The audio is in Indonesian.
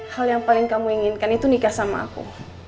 hal yang paling kamu inginkan itu nikah sama aku